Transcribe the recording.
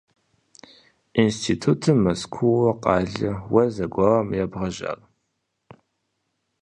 Институтым Мэзкуу къалэ уэ зэгуэрым ебгъэжьар?